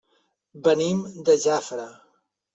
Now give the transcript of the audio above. Venim de Jafre.